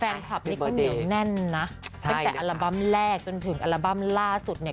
แฟนคลับนี้คุณเหนียวแน่นนะใช่นะคะแต่แต่อัลบั้มแรกจนถึงอัลบั้มล่าสุดเนี้ย